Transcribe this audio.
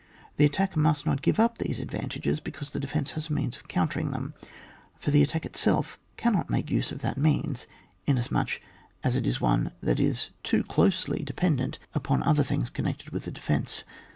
The attack must not give up these advantages because the defence has a means of coun teracting them ; for the attack itself cannot make use of that means, inas much as it is one that is too closely dependent upon other things connected with the defence.